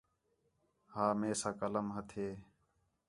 ہا میساں قلم ہتھے